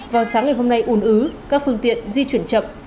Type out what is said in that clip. vào sáng ngày hôm nay ùn ứ các phương tiện di chuyển chậm